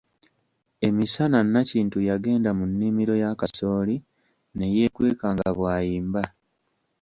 Emisana Nakintu yagenda mu nnimiro ya kasooli ne yeekweka nga bw'ayimba .